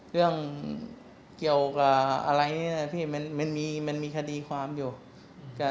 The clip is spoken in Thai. เรื่องเกี่ยวกับอะไรนะมันมีคดีความอยู่